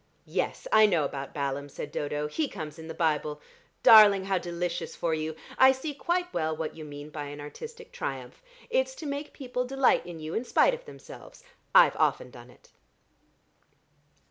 "Yes, I know about Balaam," said Dodo, "he comes in the Bible. Darling, how delicious for you. I see quite well what you mean by an artistic triumph: it's to make people delight in you in spite of themselves. I've often done it."